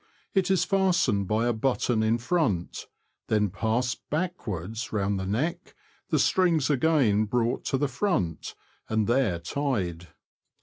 It is fastened by a button in front, then passed backwards round the neck, the strings again brought to the front, and a curious collar. there tied.